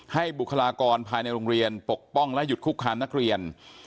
บุคลากรภายในโรงเรียนปกป้องและหยุดคุกคามนักเรียน